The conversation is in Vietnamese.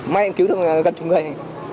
mà em cứu được là gần chung gây